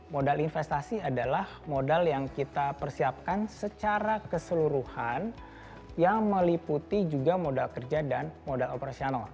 modal investasi adalah modal yang kita persiapkan secara keseluruhan yang meliputi juga modal kerja dan modal operasional